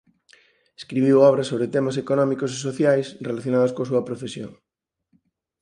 Escribiu obras sobre temas económicos e sociais relacionados coa súa profesión.